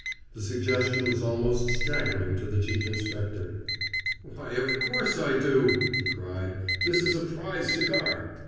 The suggestion was almost staggering to the Chief Inspector. "Why, of course I do," he cried. "This is a prize cigar.